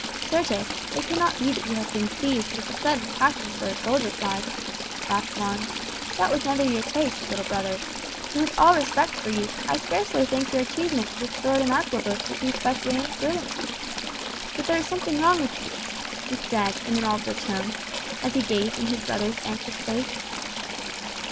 "Certes; it cannot be that you have been seized with a sudden passion for a soldier's life," laughed Juan. "That was never your taste, little brother; and with all respect for you, I scarce think your achievements with sword and arquebus would be specially brilliant. But there is something wrong with you," he said in an altered tone, as he gazed in his brother's anxious face.